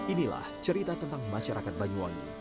inilah cerita tentang masyarakat banyuwangi